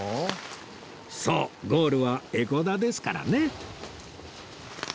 そうゴールは江古田ですからね